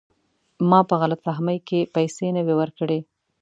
ما په غلط فهمۍ کې پیسې نه وې ورکړي.